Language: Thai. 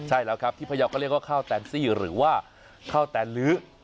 ใช่แล้วครับที่พยาวก็เรียกว่าข้าวแตนซี่หรือว่าข้าวแตนลื้อ